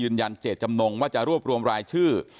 ยืนยันเจ็ดจำนงว่าจะรวบรวมรายชื่อ